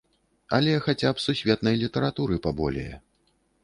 Але хаця б сусветнай літаратуры паболее.